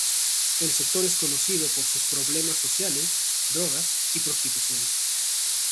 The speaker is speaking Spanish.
El sector es conocido por sus problemas sociales, drogas y prostitución.